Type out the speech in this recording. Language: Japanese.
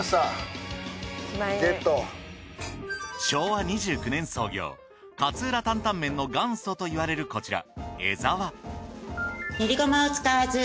昭和２９年創業勝浦タンタンメンの元祖といわれるこちら江ざわ。